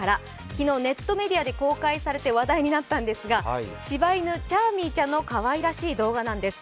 昨日、ネットメディアで公開されて話題になったんですが、柴犬・チャーミーちゃんのかわいらしい動画なんです。